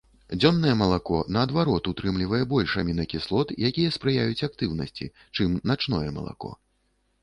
Дзённае малако, наадварот, утрымлівае больш амінакіслот, якія спрыяюць актыўнасці, чым начное малако.